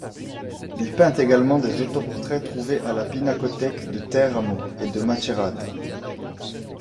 Il peint également des autoportraits trouvés à la Pinacothèque de Teramo et de Macerata.